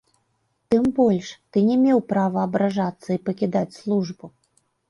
Тым больш, ты не меў права абражацца і пакідаць службу.